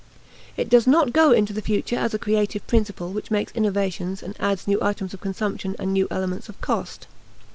It does not go into the future as a creative principle which makes innovations and adds new items of consumption and new elements of cost.